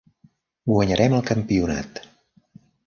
Guanyarem el campionat!